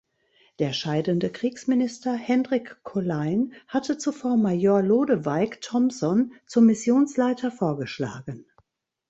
Der scheidende Kriegsminister Hendrik Colijn hatte zuvor Major Lodewijk Thomson zum Missionsleiter vorgeschlagen.